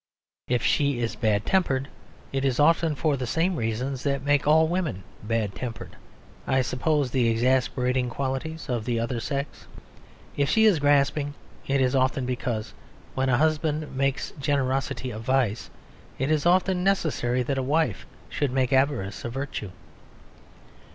If she is bad tempered it is often for the same reasons that make all women bad tempered (I suppose the exasperating qualities of the other sex); if she is grasping it is often because when a husband makes generosity a vice it is often necessary that a wife should make avarice a virtue.